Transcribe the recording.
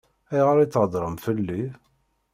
Ayɣer i theddṛem fell-i?